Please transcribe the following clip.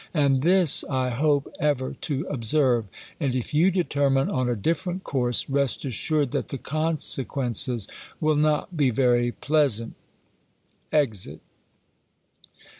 And this I hope ever to observe. And if you determine on a different course, rest assured, that the consequences will not be very ])leasant. [Exit.